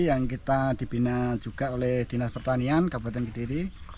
yang kita dibina juga oleh dinas pertanian kabupaten kediri